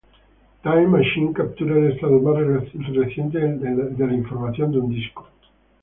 Time Machine captura el estado más reciente de la información de un disco.